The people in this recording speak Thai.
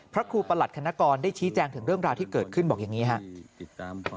พระครูประหลัดคณกรได้ชี้แจงถึงเรื่องราวที่เกิดขึ้นบอกอย่างนี้ครับ